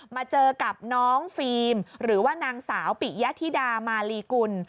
มาเจอกับน้องฟิล์มหรือว่านางสาวปิยธิดามาลีกุล